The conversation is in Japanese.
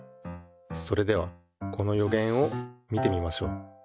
それではこのよげんを見てみましょう。